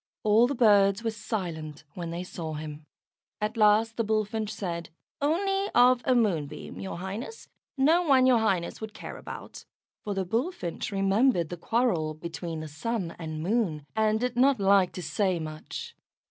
All the birds were silent when they saw him. At last the Bullfinch said, "Only of a Moonbeam, your Highness. No one your Highness would care about," for the Bullfinch remembered the quarrel between the Sun and Moon, and did not like to say much.